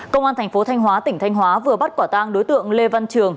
công an thành phố thanh hóa tỉnh thanh hóa vừa bắt quả tang đối tượng lê văn trường